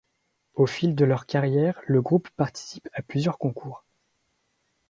Au fil de leur carrière, le groupe participe à plusieurs concours.